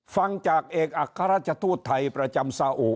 ฟังจากเอกอัครราชทูตไทยประจำสาอุ